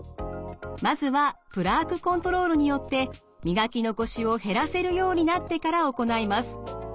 まずはプラークコントロールによって磨き残しを減らせるようになってから行います。